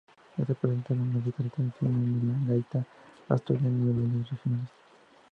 Esta presente la música tradicional de la gaita asturiana y bailes regionales.